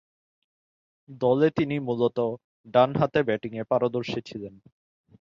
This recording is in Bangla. দলে তিনি মূলতঃ ডানহাতে ব্যাটিংয়ে পারদর্শী ছিলেন।